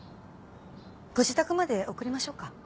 ご自宅まで送りましょうか？